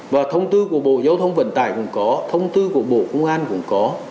và thông tư của bộ giao thông vận tải cũng có thông tư của bộ công an cũng có